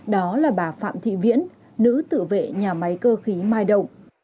đó là bà phạm thị viễn nữ tự vệ nhà máy cơ khí mai động